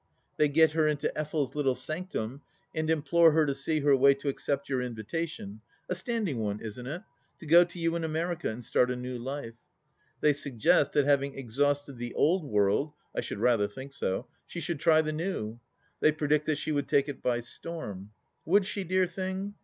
They get her into Effel's little sanctum and implore her to see her way to accept your invitation — a standing one, isn't it ?— ^to go to you in America, and start a new life. They suggest, that having exhausted the Old World — I should rather think so — she should try the New. They predict that she would take it by storm. Would she, dear thing ?...